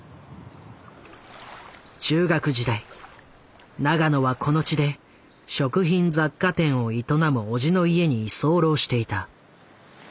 中学時代永野はこの地で食品雑貨店を営む叔父の家に居候していた。